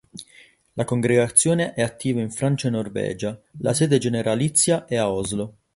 La congregazione è attiva in Francia e Norvegia; la sede generalizia è a Oslo.